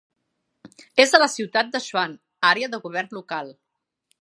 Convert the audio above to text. És a la ciutat de Swan àrea de govern local.